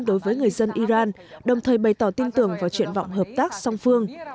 đối với người dân iran đồng thời bày tỏ tin tưởng vào triển vọng hợp tác song phương